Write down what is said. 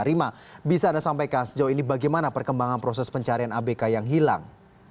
rima bisa anda sampaikan sejauh ini bagaimana perkembangan proses pencarian abk yang hilang